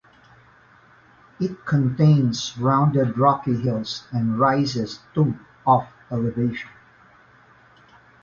It contains rounded rocky hills and rises to of elevation.